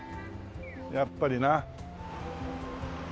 やっぱりな。